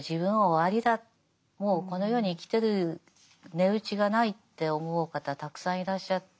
もうこの世に生きてる値打ちがないって思う方たくさんいらっしゃって。